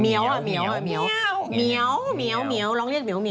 เมี๋ยวเมี๋ยว